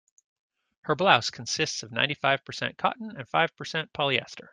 Her blouse consists of ninety-five percent cotton and five percent polyester.